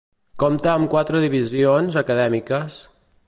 Compta amb quatre divisions acadèmiques: